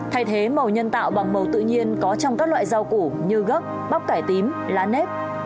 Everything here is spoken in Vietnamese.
thay thế màu nhân tạo bằng màu tự nhiên có trong các loại rau củ như gấc bắp cải tím lá nếp